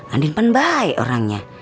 andi penbaik orangnya